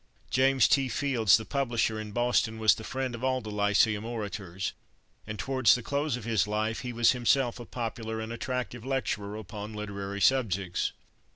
James T. Fields, the publisher in Boston, was the friend of all the lyceum orators, and towards the close of his life he was himself a popular and attractive lecturer upon literary subjects.